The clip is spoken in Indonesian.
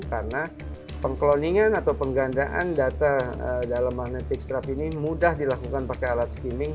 karena pengkloningan atau penggandaan data dalam magnetic strip ini mudah dilakukan pakai alat skimming